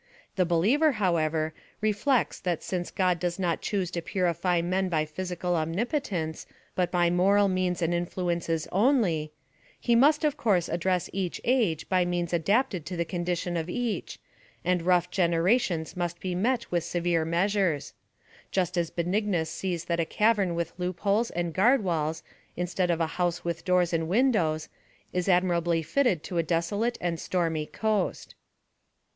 The believer, however, reflects that since God does not choose to purify men by physical omnipotence, but by moral means and influences only, he must of course address each age by means adapted to the condition of each, and rough generations must be met with severe measures,* just as Benignus sees that a cavern with loop holes and guard walls, instead of a house with doors and windows, is admirably fitted to a desolate and stormy coast.